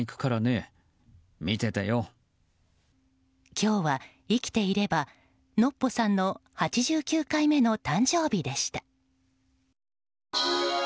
今日は、生きていればのっぽさんの８９回目の誕生日でした。